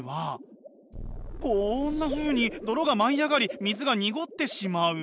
こんなふうに泥が舞い上がり水が濁ってしまう。